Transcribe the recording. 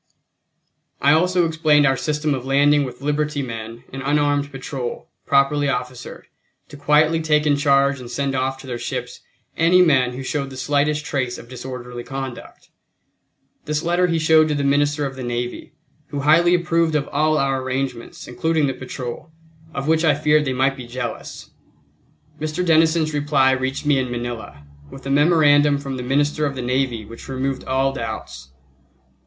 I also explained our system of landing with liberty men an unarmed patrol, properly officered, to quietly take in charge and send off to their ships any men who showed the slightest trace of disorderly conduct. This letter he showed to the Minister of the Navy, who highly approved of all our arrangements, including the patrol, of which I feared they might be jealous. Mr. Denison's reply reached me in Manila, with a memorandum from the Minister of the Navy which removed all doubts.